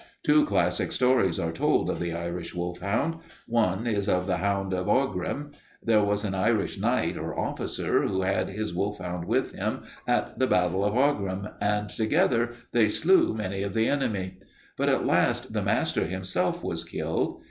"Two classic stories are told of the Irish wolfhound. One is of the hound of Aughrim. There was an Irish knight or officer who had his wolfhound with him at the battle of Aughrim, and together they slew many of the enemy. But at last the master himself was killed.